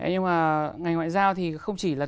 nhưng mà ngành ngoại giao thì không chỉ là